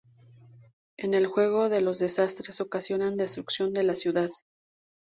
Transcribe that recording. En el juego los desastres ocasionan destrucción de la ciudad.